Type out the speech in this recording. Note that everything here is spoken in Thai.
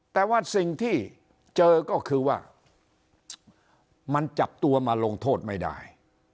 แต่ว่าสิ่งที่เจอก็คือว่ามันจับตัวมาลงโทษไม่ได้